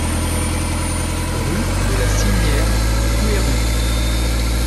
Rue de la Sinière, Couëron